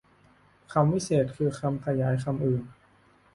คำวิเศษณ์ คือคำขยายคำอื่น